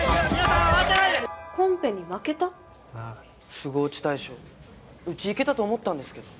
「すご落ち大将」うちいけたと思ったんですけど。